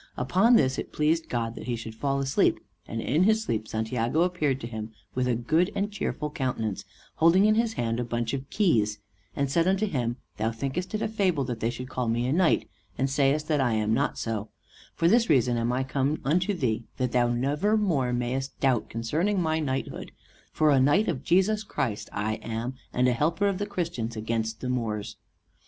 Upon this it pleased God that he should fall asleep, and in his sleep Santiago appeared to him with a good and cheerful countenance, holding in his hand a bunch of keys, and said unto him, "Thou thinkest it a fable that they should call me a knight, and sayest that I am not so: for this reason am I come unto thee that thou never more mayest doubt concerning my knighthood; for a knight of Jesus Christ I am, and a helper of the Christians against the Moors."